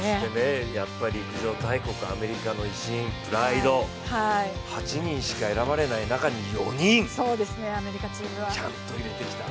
やっぱり陸上大国のアメリカの威信、プライド８人しか選ばれない中に４人ちゃんと入れてきた。